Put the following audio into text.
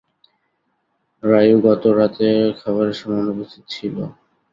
রায়ু গত রাতে খাবারের সময় অনুপস্থিত ছিল।